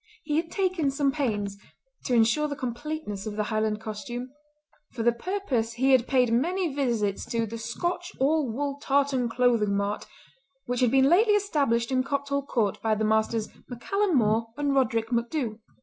He had taken some pains, to insure the completeness of the Highland costume. For the purpose he had paid many visits to "The Scotch All Wool Tartan Clothing Mart" which had been lately established in Copthall court by the Messrs. MacCallum More and Roderick MacDhu.